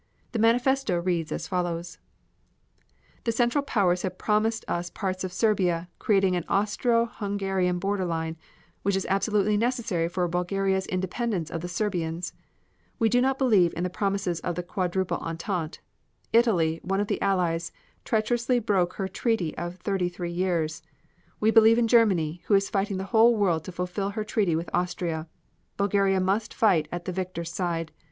The manifesto reads as follows: The Central Powers have promised us parts of Serbia, creating an Austro Hungarian border line, which is absolutely necessary for Bulgaria's independence of the Serbians. We do not believe in the promises of the Quadruple Entente. Italy, one of the Allies, treacherously broke her treaty of thirty three years. We believe in Germany, which is fighting the whole world to fulfill her treaty with Austria. Bulgaria must fight at the victor's side.